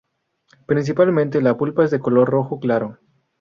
Principalmente, la pulpa es de color rojo claro.